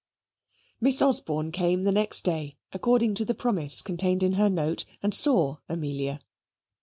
Miss Osborne came the next day, according to the promise contained in her note, and saw Amelia.